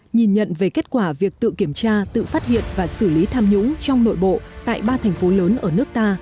nhìn nhận về kết quả việc tự kiểm tra tự phát hiện và xử lý tham nhũng trong nội bộ tại ba thành phố lớn ở nước ta